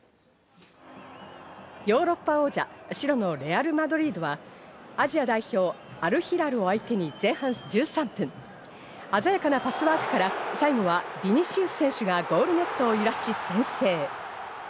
ヨーロッパ王者、白のレアル・マドリードはアジア代表アルヒラルを相手に前半１３分、鮮やかなパスワークから最後はビニシウス選手がゴールネットを揺らし、先制。